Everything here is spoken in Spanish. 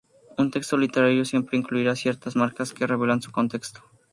Un texto literario siempre incluirá ciertas marcas que revelen su contexto.